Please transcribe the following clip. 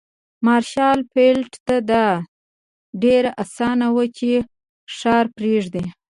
مارشال فيلډ ته دا ډېره اسانه وه چې ښار پرېږدي.